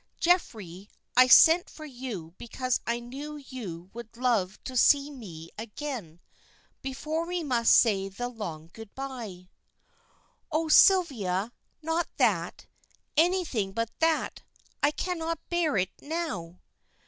Geoffrey, I sent for you because I knew you would love to see me again before we must say the long good by." "Oh, Sylvia! not that; anything but that. I cannot bear it now!"